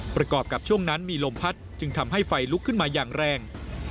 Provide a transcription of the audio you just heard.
ประกอบกับช่วงนั้นมีลมพัดจึงทำให้ไฟลุกขึ้นมาอย่างแรง